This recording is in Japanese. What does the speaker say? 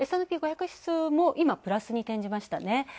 Ｓ＆Ｐ５００指数もプラスに転じましたね。